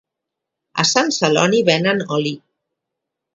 A Sant Celoni venen oli